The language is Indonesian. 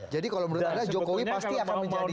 jadi kalau menurut anda jokowi pasti akan menjadi